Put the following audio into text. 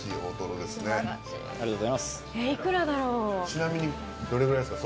ちなみにどれぐらいですか？